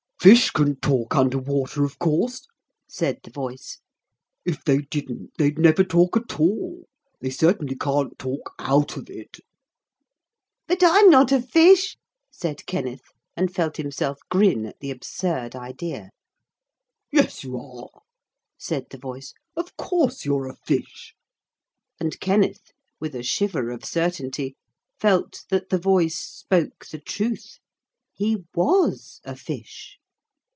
'Fish can talk under water, of course,' said the voice, 'if they didn't, they'd never talk at all: they certainly can't talk out of it.' 'But I'm not a fish,' said Kenneth, and felt himself grin at the absurd idea. 'Yes, you are,' said the voice, 'of course you're a fish,' and Kenneth, with a shiver of certainty, felt that the voice spoke the truth. He was a fish.